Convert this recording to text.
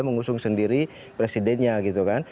akan langsung sendiri presidennya gitu kan